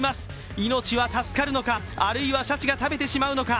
命は助かるのか、あるいはシャチが食べてしまうのか。